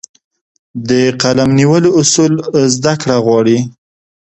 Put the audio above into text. د قلم نیولو اصول زده کړه غواړي.